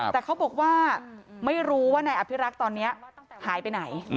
แต่เขาบอกว่าไม่รู้ว่านายอภิรักษ์ตอนนี้หายไปไหน